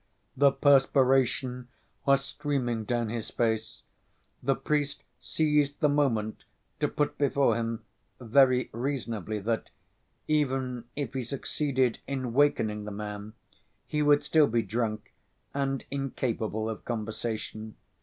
The perspiration was streaming down his face. The priest seized the moment to put before him, very reasonably, that, even if he succeeded in wakening the man, he would still be drunk and incapable of conversation.